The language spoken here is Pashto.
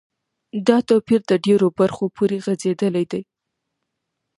دا توپیر د ډیرو برخو پوری غځیدلی دی.